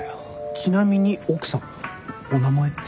ちなみに奥さんお名前って？